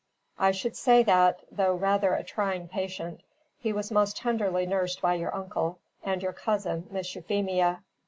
I should say that, though rather a trying patient, he was most tenderly nursed by your uncle, and your cousin, Miss Euphemia.